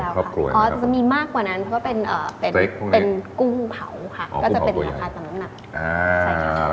อ๋อจะมีมากกว่านั้นเพราะว่าเป็นกุ้งเผาค่ะก็จะเป็นราคาจำน้ำหนัก